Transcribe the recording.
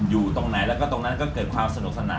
อยู่ตรงไหนแล้วก็ตรงนั้นก็เกิดความสนุกสนาน